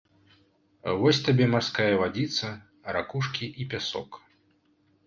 Вось табе марская вадзіца, ракушкі і пясок.